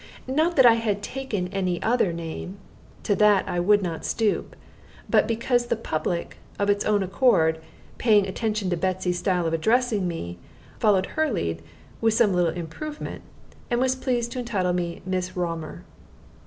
Not that I had taken any other name to that I would not stoop but because the public, of its own accord, paying attention to Betsy's style of addressing me, followed her lead (with some little improvement), and was pleased to entitle me "Miss Raumur."